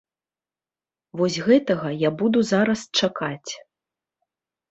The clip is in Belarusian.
Вось гэтага я буду зараз чакаць.